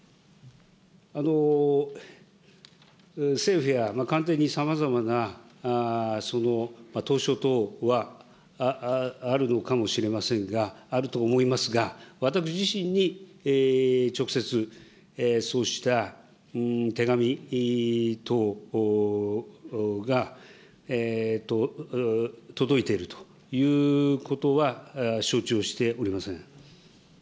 政府や官邸にさまざまな投書等はあるのかもしれませんが、あると思いますが、私自身に直接、そうした手紙等が届いているということは承知をしておりません。